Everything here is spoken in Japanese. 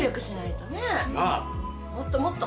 もっともっと。